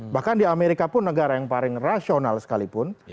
bahkan di amerika pun negara yang paling rasional sekalipun